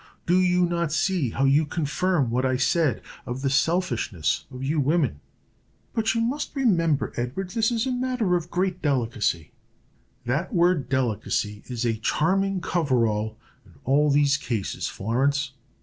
Do you not see how you confirm what I said of the selfishness of you women?" "But you must remember, Edward, this is a matter of great delicacy." "That word delicacy is a charming cover all in all these cases, Florence.